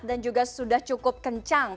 dan juga sudah cukup kencang